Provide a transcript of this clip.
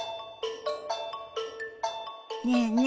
ねえねえ